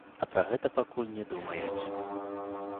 А пра гэта пакуль не думаюць.